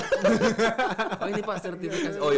oh ini pak sertifikasi